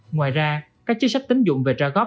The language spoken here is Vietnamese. ngoài ra các chế sách tính dụng về tra góp